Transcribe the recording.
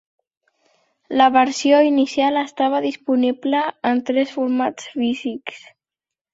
La versió inicial estava disponible en tres formats físics.